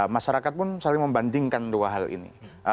masyarakat pun saling membandingkan dua hal ini